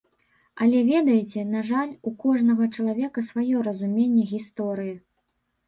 Але, ведаеце, на жаль, у кожнага чалавека сваё разуменне гісторыі.